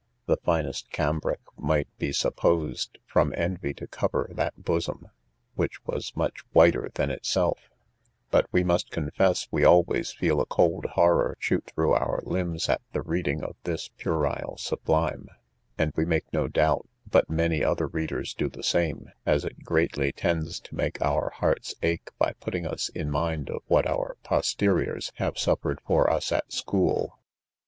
The finest cambric might be supposed from envy to cover that bosom, which was much whiter than itself;" but we must confess we always feel a cold horror shoot through our limbs at the reading of this puerile sublime, and we make no doubt but many other readers do the same, as it greatly tends to make our hearts ache by putting us in mind of what our posteriors have suffered for us at school.